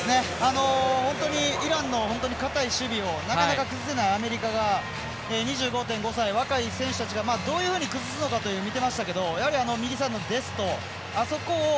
イランの本当に堅い守備をなかなか崩せないアメリカが２５．５歳、若い選手たちがどういうふうに崩すのかを見ていましたけどやはり、右サイドのデスト。